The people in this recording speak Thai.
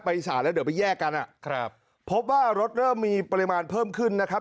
อีสานแล้วเดี๋ยวไปแยกกันอ่ะครับพบว่ารถเริ่มมีปริมาณเพิ่มขึ้นนะครับ